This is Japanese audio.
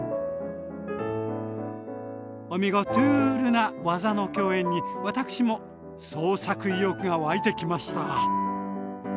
おみゴトゥールな技の競演に私も創作意欲が湧いてきました！